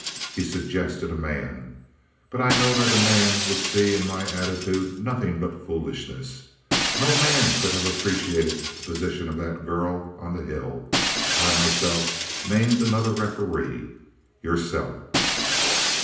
He suggested a man. But I know that a man would see in my attitude nothing but foolishness. No man could have appreciated the position of that girl on the hill. I myself named another referee yourself."